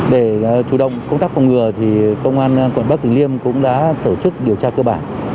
để chủ động công tác phòng ngừa công an quận bắc tử liêm cũng đã tổ chức điều tra cơ bản